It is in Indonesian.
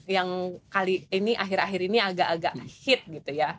yang kali ini akhir akhir ini agak agak hit gitu ya